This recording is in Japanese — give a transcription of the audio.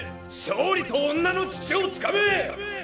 勝利と女の乳をつかめ！